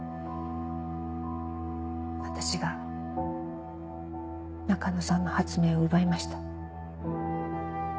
私が中野さんの発明を奪いました。